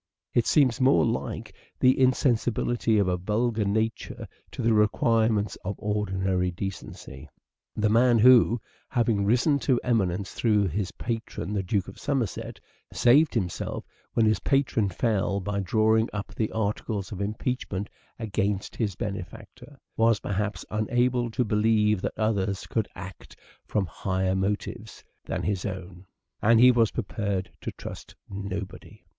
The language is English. It seems more like the in sensibility of a vulgar nature to the requirements of ordinary decency. The man who, having risen to eminence through his patron, the Duke of Somerset, saved himself when his patron fell by drawing up the articles of impeachment against his benefactor, was perhaps unable to believe that others could act from 262 SHAKESPEARE " IDENTIFIED An early tragedy. Hostility. higher motives than his own, and was prepared to trust nobody.